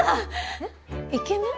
えっイケメン？